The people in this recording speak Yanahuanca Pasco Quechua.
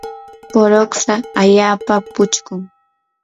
puruksa allaapa puchqun.